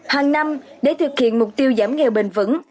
hàng năm để thực hiện mục tiêu giảm nghèo bền vững